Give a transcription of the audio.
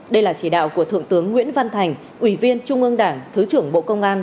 đây là chỉ đạo của thượng tướng nguyễn văn thành ủy viên trung ương đảng thứ trưởng bộ công an